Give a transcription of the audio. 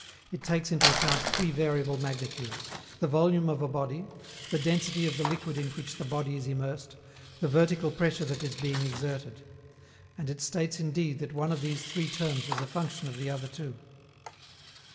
It takes into account three variable magnitudes: the volume of a body, the density of the liquid in which the body is immersed, the vertical pressure that is being exerted. And it states indeed that one of these three terms is a function of the other two.